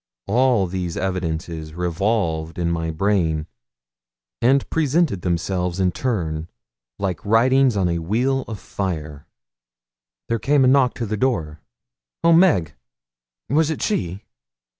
All these evidences revolved in my brain, and presented themselves in turn like writings on a wheel of fire. There came a knock to the door Oh, Meg! Was it she?